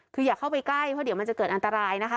คืออย่าเข้าไปใกล้เพราะเดี๋ยวมันจะเกิดอันตรายนะคะ